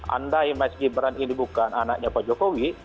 andai mas gibran ini bukan anaknya pak jokowi